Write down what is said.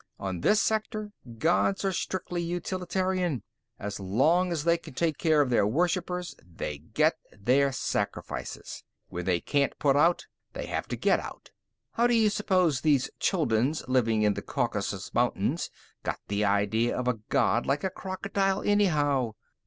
On this sector, gods are strictly utilitarian. As long as they take care of their worshipers, they get their sacrifices: when they can't put out, they have to get out. How do you suppose these Chulduns, living in the Caucasus Mountains, got the idea of a god like a crocodile, anyhow?